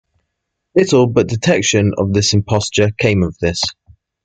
Little but detection of imposture came of this.